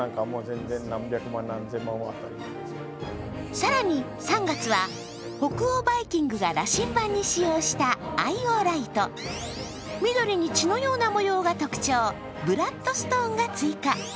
更に、３月は北欧バイキングが羅針盤に使用したアイオライト、アイオライト、緑に血のような模様が特徴、ブラッドストーンが追加。